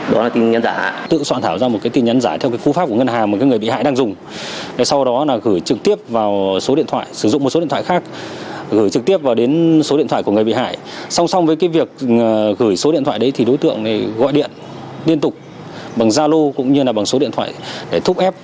đối tượng tiếp tục yêu cầu bị hại cung cấp tài khoản ngân hàng rồi gọi điện liên tục bằng gia lô cũng như là bằng số điện thoại để thúc ép